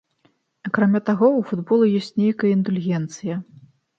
Акрамя таго, у футбола ёсць нейкая індульгенцыя.